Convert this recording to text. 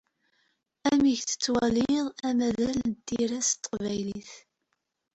Amek tettwaliḍ amaḍal n tira s Teqbaylit?